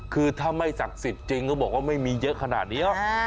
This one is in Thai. คือถ้าไม่ศักดิ์สิทธิ์จริงก็บอกว่าไม่มีเยอะขนาดนี้